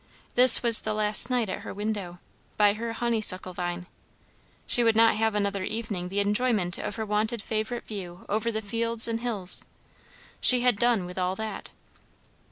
This was the last night at her window, by her honeysuckle vine. She would not have another evening the enjoyment of her wonted favourite view over the fields and hills; she had done with all that.